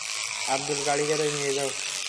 আবদুল, গাড়ি গ্যারেজে নিয়ে যাও।